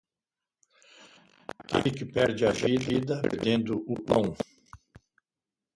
Aquele que perde a vida perdendo o pão.